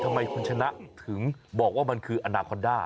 ทำไมคุณชนะถึงบอกว่ามันคืออนาคอนด้า